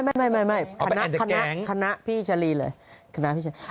ไม่คณะพี่ชะลีเลย